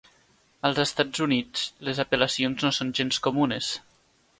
Als Estats Units, les apel·lacions no són gens comunes.